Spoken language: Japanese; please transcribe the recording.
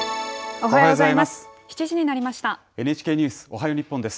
おはようございます。